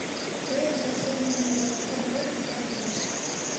— Тыйым, господин унтер, становой пристав ӱжеш.